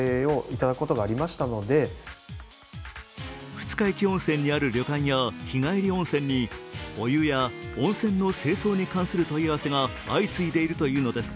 二日市温泉にある旅館や日帰り温泉にお湯や温泉と清掃に関する問い合わせが相次いでいるというのです。